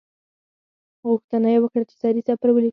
غوښتنه یې وکړه چې سریزه پر ولیکم.